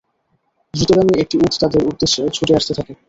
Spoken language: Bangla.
দ্রুতগামী একটি উট তাদের উদ্দেশে ছুটে আসতে থাকে।